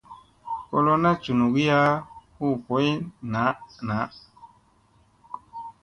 Ko lona njunugiya huu boy naa ma.